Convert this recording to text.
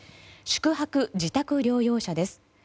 宿泊・自宅療養者です。